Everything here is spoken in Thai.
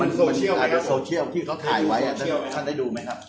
มันมีอาหารโซเชียลที่เค้าถ่ายไว้อ่ะท่านได้ดูไหมครับ